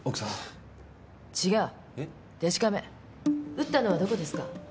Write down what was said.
打ったのはどこですか？